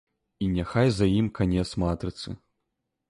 І няхай за ім канец матрыцы.